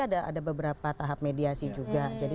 ada beberapa tahap mediasi juga jadi